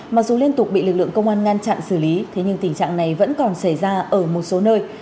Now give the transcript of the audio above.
mặc dù liên tục bị lực lượng công an ngăn chặn xử lý thế nhưng tình trạng này vẫn còn xảy ra ở một số nơi